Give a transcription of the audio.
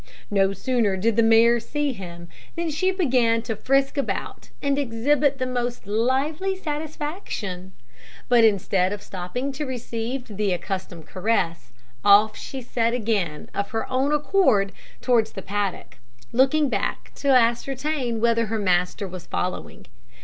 No sooner did the mare see him than she began to frisk about and exhibit the most lively satisfaction; but instead of stopping to receive the accustomed caress, off she set again of her own accord towards the paddock, looking back to ascertain whether her master was following.